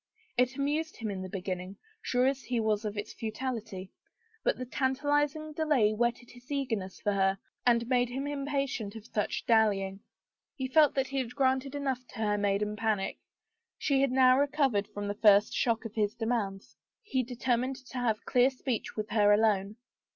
It amused him in the beginning, sure as he was of its futility, but the tantalizing delay whetted his eagerness for her and made him impatient of such dally 67 THE FAVOR OF KINGS ing. He felt that he had granted enough to her maiden panic. She had now recovered from the first shock of his demands. He determined to have clear speech with her alone.